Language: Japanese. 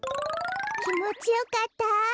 きもちよかった。